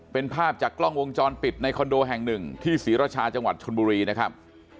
เป็นภาพจากกล้องวงจรปิดในคอนโดแห่งหนึ่งที่ศรีรชาจังหวัดชนบุรีนะครับ